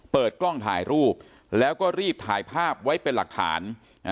เปิดกล้องถ่ายรูปแล้วก็รีบถ่ายภาพไว้เป็นหลักฐาน